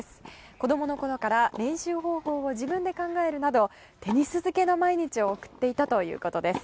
子供のころから練習方法を自分で考えるなどテニス漬けの毎日を送っていたということです。